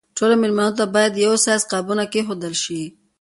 ټولو مېلمنو ته باید د یوه سایز قابونه کېښودل شي.